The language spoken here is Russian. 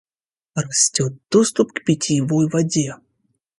Растет доступ к питьевой воде.